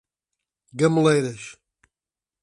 Gameleiras